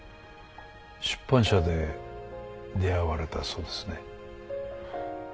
出版社で出会われたそうですね？